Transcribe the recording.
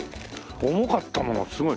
重かったものすごい。